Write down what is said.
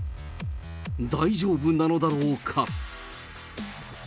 大丈夫なのだろうか。